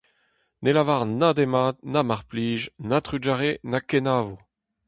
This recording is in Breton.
Ne lavar na demat, na mar plij, na trugarez, na kenavo !